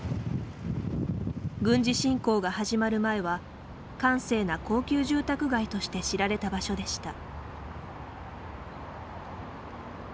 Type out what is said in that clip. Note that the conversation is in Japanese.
軍事侵攻が始まる前は閑静な高級住宅街として知られた場所でした。